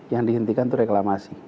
yang dihentikan itu reklamasi